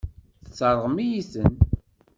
Tesseṛɣem-iyi-ten.